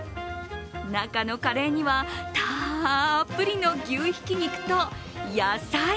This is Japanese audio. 中のカレーには、たっぷりの牛ひき肉と野菜。